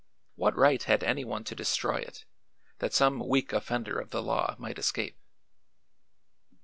What right had anyone to destroy it, that some weak offender of the law might escape?